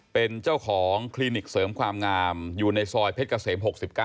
เป็นเจ้าของคลินิกเสริมความงามอยู่ในซอยเพชรเกษม๖๙